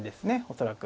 恐らく。